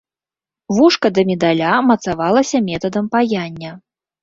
Вушка да медаля мацавалася метадам паяння.